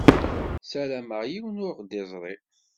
Sarameɣ yiwen ur ɣ-d-iẓṛi.